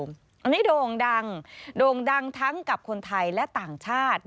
อันนี้โด่งดังโด่งดังทั้งกับคนไทยและต่างชาติ